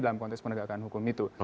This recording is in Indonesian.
dalam konteks penegakan hukum itu